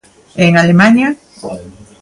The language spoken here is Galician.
E en Alemaña?